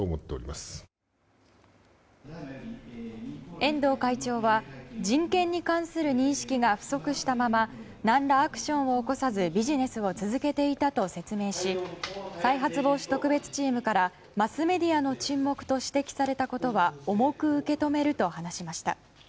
遠藤会長は人権に関する認識が不足したまま何らアクションを起こさずビジネスを続けていたと説明し再発防止特別チームから「マスメディアの沈黙」と指摘されたことは重く受け止めると話しました。